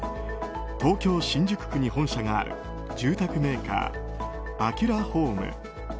東京・新宿区に本社がある住宅メーカーアキュラホーム。